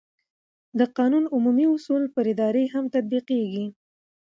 د قانون عمومي اصول پر ادارې هم تطبیقېږي.